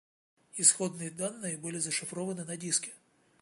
Исходные данные были зашифрованы на диске